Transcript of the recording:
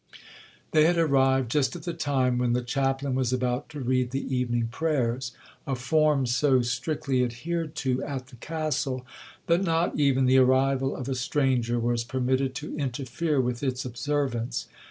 They had arrived just at the time when the chaplain was about to read the evening prayers,—a form so strictly adhered to at the Castle, that not even the arrival of a stranger was permitted to interfere with its observance.